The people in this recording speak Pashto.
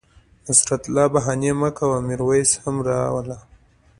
نصرت الله بهاني مه کوه میرویس هم را وله